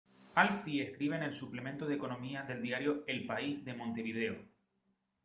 Alfie escribe en el suplemento de economía del diario El País de Montevideo.